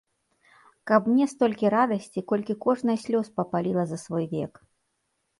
Каб мне столькі радасці, колькі кожная слёз папаліла за свой век.